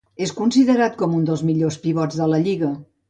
És considerat com un dels millors pivots de la lliga.